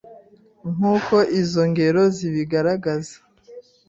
Nk’uko izo ngero zibigaragaza